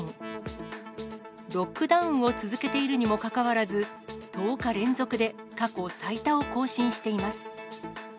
ロックダウンを続けているにもかかわらず、１０日連続で過去最多を更新しています。